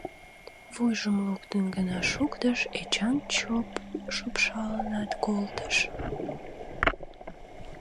Вуйжым луктын гына шуктыш, Эчан чоп шупшалынат колтыш.